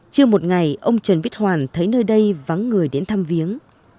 chưa một ngày ông trần viết hoàn thấy nơi đây vắng người đến thăm viếng